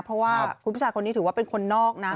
เพราะว่าคุณผู้ชายคนนี้ถือว่าเป็นคนนอกนะ